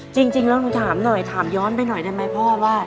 จริงแล้วหนูถามหน่อยถามย้อนไปหน่อยได้ไหมพ่อว่า